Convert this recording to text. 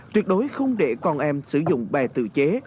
tuyệt đối không để con em sử dụng bè tự chế